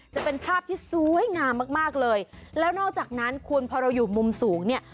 จะเป็นภาพที่สวยงามมากมากเลยแล้วนอกจากนั้นคุณพอเราอยู่มุมสูงเนี่ย